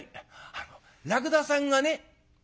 「あのらくださんがね」。